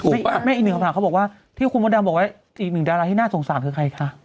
อีกหนึ่งคำถามเขาบอกว่าที่คุณมดดำบอกว่าอีกหนึ่งดาราที่น่าสงสารคือใครคะ